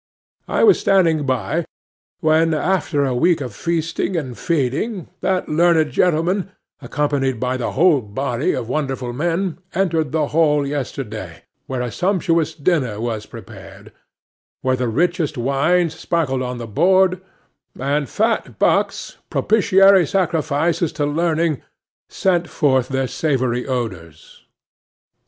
I was standing by, when, after a week of feasting and feeding, that learned gentleman, accompanied by the whole body of wonderful men, entered the hall yesterday, where a sumptuous dinner was prepared; where the richest wines sparkled on the board, and fat bucks—propitiatory sacrifices to learning—sent forth their savoury odours.